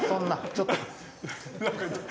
ちょっと！